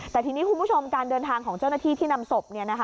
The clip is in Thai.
แต่ทีนี้คุณผู้ชมการเดินทางของเจ้าหน้าที่ที่นำศพ